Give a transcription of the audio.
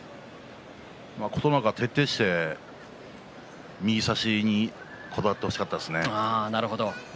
琴ノ若、徹底して右差しにこだわってほしかったですね。